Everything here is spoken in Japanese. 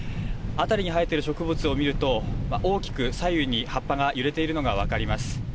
辺りに生えている植物を見ると、大きく左右に葉っぱが揺れているのが分かります。